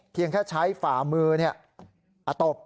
เพียงแค่ใช้ฝ่ามืออัตบ